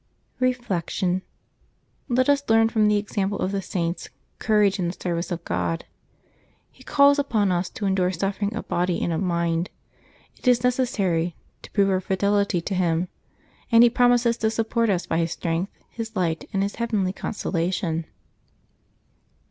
Reflection. — Let us learn, from the example of the Saints, courage in the service of God. He calls upon us to endure suffering of body and of mind, if it is necessary, to prove our fidelity to Him; and He promises to support us by His strength. His light, and His heavenly consolation.